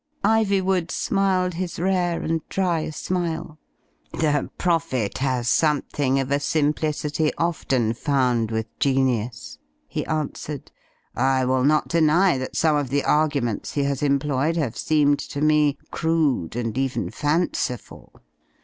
"' Ivywood smiled his rare and dry smile. '*The Prophet has something of a simplicity often found with genius,'* he answered. "I will not deny that some of the arguments he has employed have seemed to me crude and even fanciful.